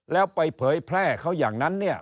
แล้วไปเผยแพร่เขาอย่างนั้นเนี่ย